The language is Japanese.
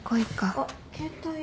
あっ携帯。